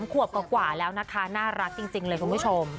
๓ขวบกว่าแล้วน่ารักจริงคุณผู้ชม